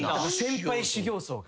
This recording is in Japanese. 先輩修行僧が。